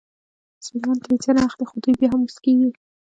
مسلمانان ترې څه نه اخلي خو دوی بیا هم موسکېږي.